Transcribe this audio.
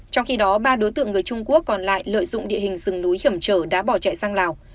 trong khi đó ba đối tượng người trung quốc còn lại lợi dụng địa hình rừng núi hiểm trở đã bỏ chạy sang lào